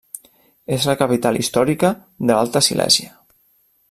És la capital històrica de l'Alta Silèsia.